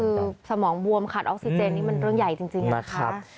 คือสมองบวมขาดออกซิเจนนี่มันเรื่องใหญ่จริงนะคะ